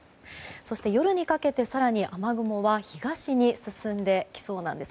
そして、夜にかけて更に雨雲は東に進んできそうなんです。